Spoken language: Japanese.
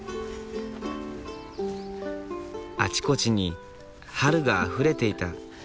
あちこちに春があふれていた。